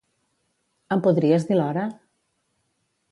Em podries dir l'hora?